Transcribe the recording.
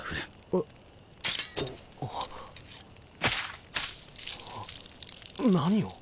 えっ？何を。